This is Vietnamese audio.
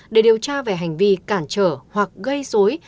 để điều tra về hành vi cản trở hoặc gây dối